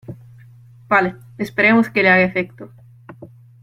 vale. esperemos que le haga efecto .